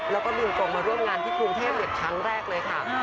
แล้วก็ลุงกงมาร่วมงานที่กรุงเทพครั้งแรกเลยค่ะ